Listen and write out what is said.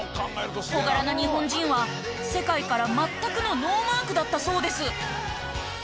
小柄な日本人は世界から全くのノーマークだったそうです。